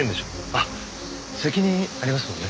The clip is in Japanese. あっ責任ありますもんね？